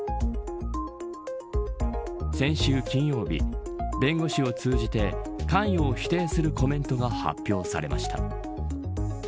先週金曜日弁護士を通じて関与を否定するコメントが発表されました。